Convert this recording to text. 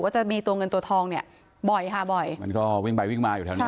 จะมีตัวเงินตัวทองเนี่ยบ่อยค่ะบ่อยมันก็วิ่งไปวิ่งมาอยู่แถวนี้